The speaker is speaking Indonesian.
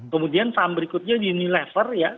kemudian sam berikutnya di new level ya